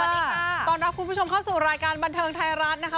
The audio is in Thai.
สวัสดีค่ะต้อนรับคุณผู้ชมเข้าสู่รายการบันเทิงไทยรัฐนะคะ